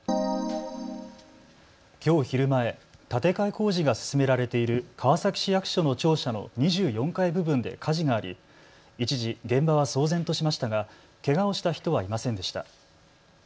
きょう昼前、建て替え工事が進められている川崎市役所の庁舎の２４階部分で火事があり一時、現場は騒然としましたがけがをした人はいませんでした。